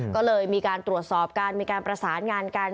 ก็เลยมีการตรวจสอบกันมีการประสานงานกัน